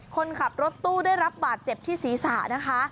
คนขับรถตู้ได้รับบาดเจ็บที่ศีรษะนะคะ